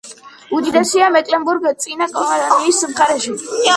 უდიდესია მეკლენბურგ-წინა პომერანიის მხარეში.